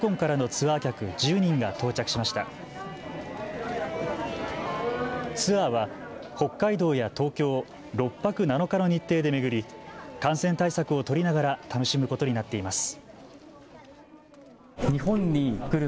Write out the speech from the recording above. ツアーは北海道や東京を６泊７日の日程で巡り感染対策を取りながら楽しむことになっています。